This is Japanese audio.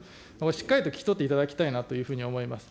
しっかりと聞き取っていただきたいなというふうに思います。